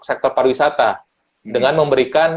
sektor pariwisata dengan memberikan